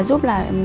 sửa rửa mặt là giúp